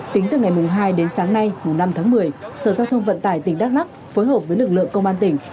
tính từ ngày hai đến sáng nay năm tháng một mươi sở giao thông vận tải tỉnh đắk lắc phối hợp với lực lượng công an tỉnh